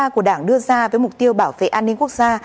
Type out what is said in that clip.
của đảng đưa ra với mục tiêu bảo vệ an ninh quốc gia